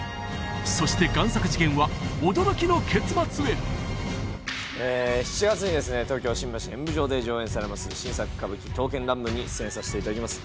そして贋作事件は驚きの結末へ７月にですね東京・新橋演舞場で上演されます新作歌舞伎「刀剣乱舞」に出演させていただきます